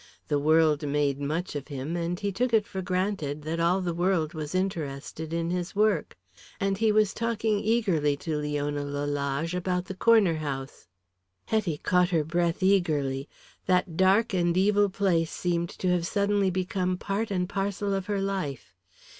The world made much of him, and he took it for granted that all the world was interested in his work. And he was talking eagerly to Leona Lalage about the Corner House. Hetty caught her breath eagerly. That dark and evil place seemed to have suddenly become part and parcel of her life.